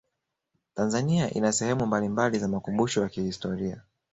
tanzania ina sehemu mbalimbali za makumbusho ya kihistoria